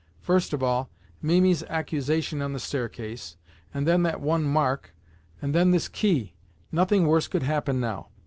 First of all, Mimi's accusation on the staircase, and then that one mark, and then this key! Nothing worse could happen now.